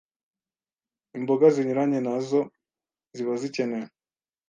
imboga zinyuranye nazo ziba zikenewe